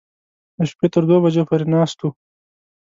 د شپې تر دوو بجو پورې ناست و.